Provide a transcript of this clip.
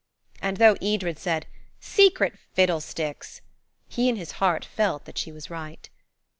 And though Edred said, "Secret fiddlesticks!" he in his heart felt that she was right.